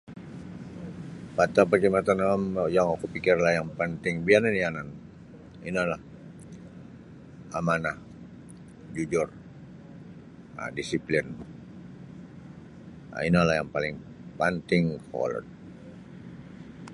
Pata' parkhidmatan awam yang oku pikirlah yang panting biyan oni yanan inolah amanah jujur um disiplin um inolah yang paling panting kolod.